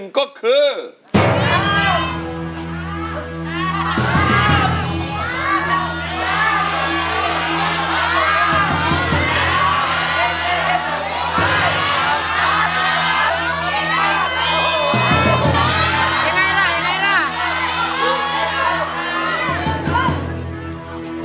ยังไงล่ะยังไงล่ะ